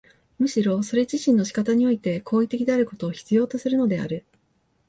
むしろそれ自身の仕方において行為的であることを必要とするのである。